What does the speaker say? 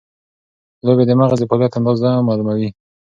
لوبې د مغز د فعالیت اندازه معلوموي.